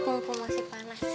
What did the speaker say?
mumpung masih panas